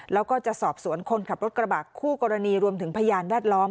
แล้วก็จะสอบสวนคนขับรถกระบะคู่กรณีรวมถึงพยานแวดล้อม